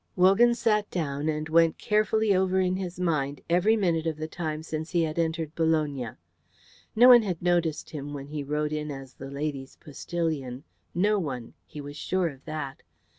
Wogan sat down and went carefully over in his mind every minute of the time since he had entered Bologna. No one had noticed him when he rode in as the lady's postillion, no one. He was sure of that.